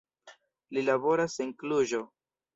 Li laboras en Kluĵo.